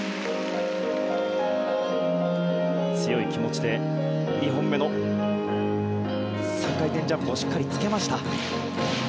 強い気持ちで２本目の３回転ジャンプをしっかりつけました。